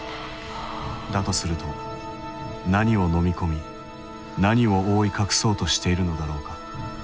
だとすると何を飲み込み何を覆い隠そうとしているのだろうか